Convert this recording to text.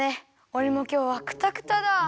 おれもきょうはクタクタだ。